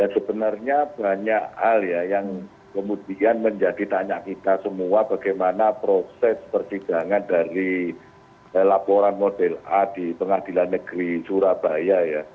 sebenarnya banyak hal ya yang kemudian menjadi tanya kita semua bagaimana proses persidangan dari laporan model a di pengadilan negeri surabaya ya